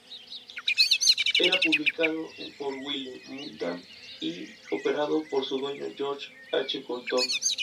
Era publicado por Wiley y Putnam, y operado por su dueño George H. Colton.